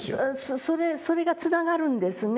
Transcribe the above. それがつながるんですね。